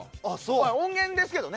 音源ですけどね。